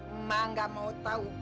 emak gak mau tau